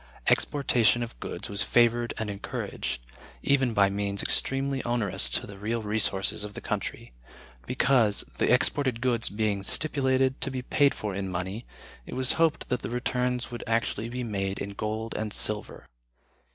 Exportation of goods was favored and encouraged (even by means extremely onerous to the real resources of the country), because, the exported goods being stipulated to be paid for in money, it was hoped that the returns would actually be made in gold and silver.